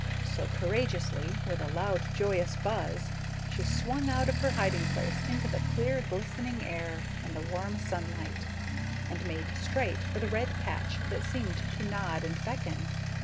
So, courageously, with a loud joyous buzz, she swung out of her hiding place into the clear, glistening air and the warm sunlight, and made straight for the red patch that seemed to nod and beckon.